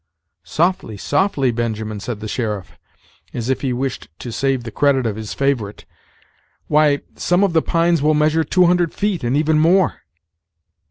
"Softly, softly, Benjamin," said the sheriff, as if he wished to save the credit of his favorite; "why, some of the pines will measure two hundred feet, and even more."